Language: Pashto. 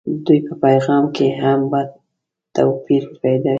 دوی په پیغام کې به هم توپير پيدا شي.